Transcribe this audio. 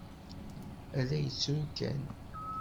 A la yettru kan.